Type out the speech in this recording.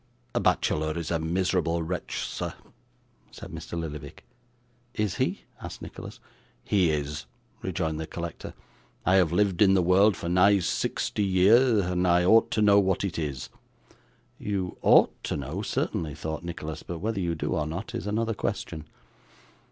'A bachelor is a miserable wretch, sir,' said Mr. Lillyvick. 'Is he?' asked Nicholas. 'He is,' rejoined the collector. 'I have lived in the world for nigh sixty year, and I ought to know what it is.' 'You OUGHT to know, certainly,' thought Nicholas; 'but whether you do or not, is another question.